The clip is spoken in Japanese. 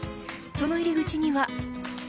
その入り口には。